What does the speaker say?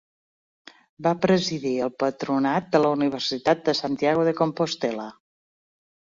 Va presidir el Patronat de la Universitat de Santiago de Compostel·la.